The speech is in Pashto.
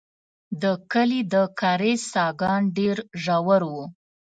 د کلي د کاریز څاګان ډېر ژور وو.